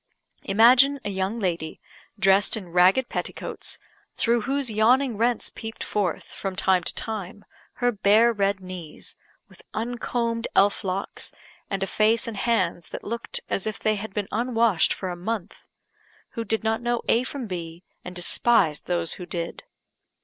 Imagine a young lady, dressed in ragged petticoats, through whose yawning rents peeped forth, from time to time, her bare red knees, with uncombed elf locks, and a face and hands that looked as if they had been unwashed for a month who did not know A from B, and despised those who did.